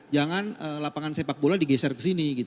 jangan lapangan sepak bola digeser ke sini